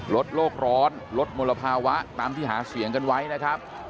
ลดโลกร้อนลดมลภาวะตามที่หาเสียงกันไว้นะครับ